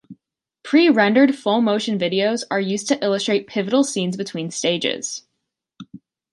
Pre-rendered full motion videos are used to illustrate pivotal scenes between stages.